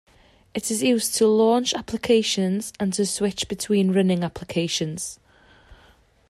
It is used to launch applications and to switch between running applications.